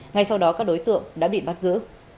ngay sau đó các đối tượng đã bị bắt giữ